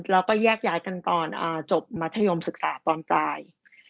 แล้วก็แยกย้ายกันตอนจบมัธยมศึกษาตอนปลาย